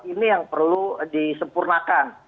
ini yang perlu disempurnakan